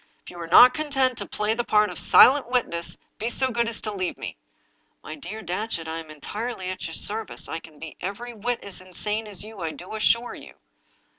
If you are not content to play the part of silent witness, be so good as to leave me." " My dear Datchet, I'm entirely at your service. I can be every whit as insane as you, I do assure you."